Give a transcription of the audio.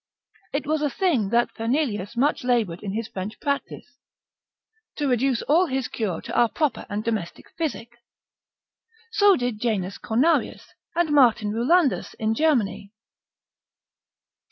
It was a thing that Fernelius much laboured in his French practice, to reduce all his cure to our proper and domestic physic; so did Janus Cornarius, and Martin Rulandus in Germany.